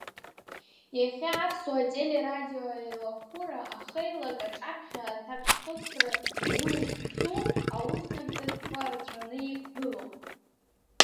Иахьа Аԥсуа телерадиоеилахәыра ахеилак аҿаԥхьа аҭакԥхықәра ду зцу ауснагӡатәқәа рацәаны иқәгылоуп.